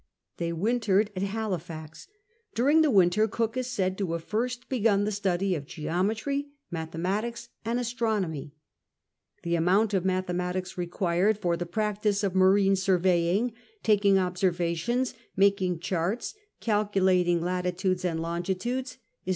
They wintered at Halifax ; during the winter Cook is said to have first begun the study of geometry, mathematics, and astro nomy. The amount of mathematics required for the practice of marine surveying, taking observations, making charts, calculating latitudes and longitudes, is 40 CAPTAIN COOK OHAF.